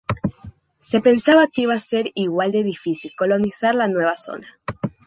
Se pensaba que iba a ser igual de difícil colonizar la nueva zona.